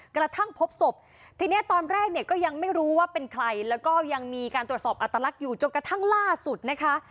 กระทั่งพบศพทีเนี้ยตอนแรกเนี่ยก็ยังไม่รู้ว่าเป็นใครแล้วก็ยังมีการตรวจสอบอัตลักษณ์อยู่จนกระทั่งล่าสุดนะคะ